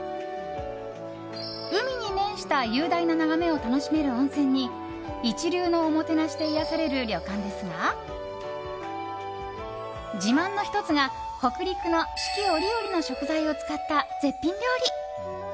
海に面した雄大な眺めを楽しめる温泉に一流のおもてなしで癒やされる旅館ですが自慢の１つが、北陸の四季折々の食材を使った絶品料理。